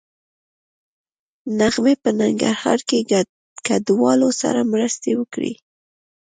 نغمې په ننګرهار کې کډوالو سره مرستې وکړې